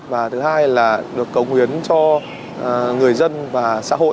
và thứ hai là được cầu nguyện cho người dân và xã hội